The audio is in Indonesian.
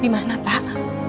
di mana fak